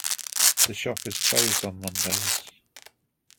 The shop is closed on Mondays.